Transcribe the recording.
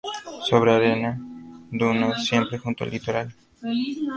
Sobre arena, dunas, siempre junto al litoral.